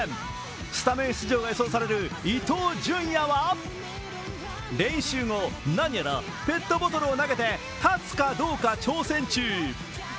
スタメン出場が予想される伊東純也は、練習後なにやらペットボトルを投げて立つかどうか挑戦中。